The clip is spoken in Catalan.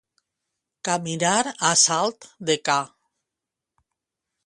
Caminar a salt de ca.